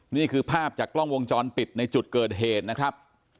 นี่คือภาพจากกล้องวงจรปิดในจุดเกิดเหตุนะครับ